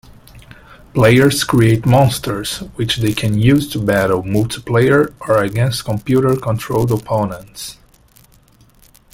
Players create monsters, which they can use to battle multiplayer or against computer-controlled opponents.